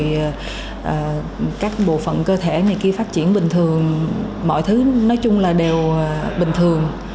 thì các bộ phận cơ thể này khi phát triển bình thường mọi thứ nói chung là đều bình thường